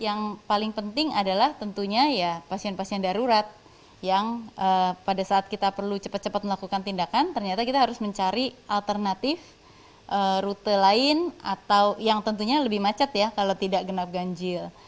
yang paling penting adalah tentunya ya pasien pasien darurat yang pada saat kita perlu cepat cepat melakukan tindakan ternyata kita harus mencari alternatif rute lain atau yang tentunya lebih macet ya kalau tidak genap ganjil